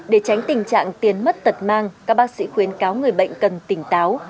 để tránh tình trạng tiền mất tật mang các bác sĩ khuyến cáo người bệnh cần tỉnh táo